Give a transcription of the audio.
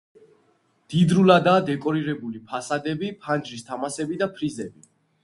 მდიდრულადაა დეკორირებული ფასადები, ფანჯრის თამასები და ფრიზები.